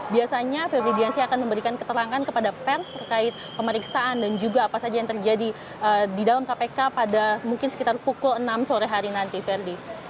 biasanya febri diansyah akan memberikan keterangan kepada pers terkait pemeriksaan dan juga apa saja yang terjadi di dalam kpk pada mungkin sekitar pukul enam sore hari nanti ferdi